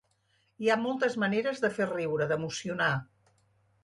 Hi ha moltes maneres de fer riure, d’emocionar.